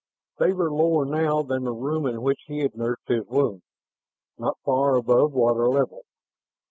They were lower now than the room in which he had nursed his wound, not far above water level.